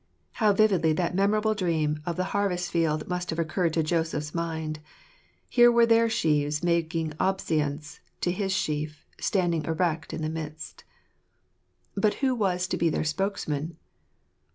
How vividly that memorable dream of the harvest field must have occurred to Joseph's mind ! Here were their sheaves making obeisance to his sheaf, standing erect in the midst. But who was to be their spokesman